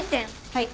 はい。